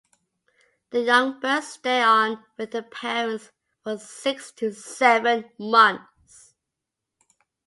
The young birds stay on with the parents for six to seven months.